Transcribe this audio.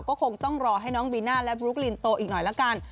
ก็คงต้องรอให้น้องบีน่าและบลุ๊กลินโตอีกหน่อยละกัน